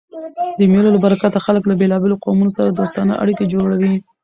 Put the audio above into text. د مېلو له برکته خلک له بېلابېلو قومو سره دوستانه اړيکي جوړوي.